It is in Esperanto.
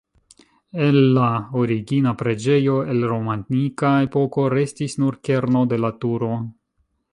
El la origina preĝejo el romanika epoko restis nur kerno de la turo.